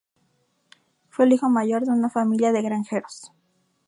Fue el hijo mayor de una familia de granjeros.